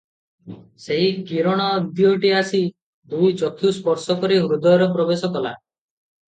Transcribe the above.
ସେହି କିରଣ ଦିଓଟି ଆସି ଦୁଇ ଚକ୍ଷୁ ସ୍ପର୍ଶ କରି ହୃଦୟରେ ପ୍ରବେଶ କଲା ।